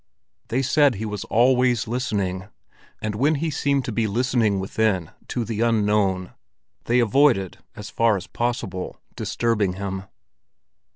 They said he was always listening; and when he seemed to be listening within to the unknown, they avoided as far as possible disturbing him.